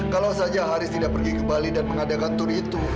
kalau saja haris tidak pergi ke bali dan mengadakan tur itu